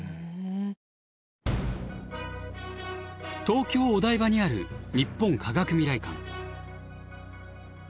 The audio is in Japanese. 東京・お台場にある日本科学未来館。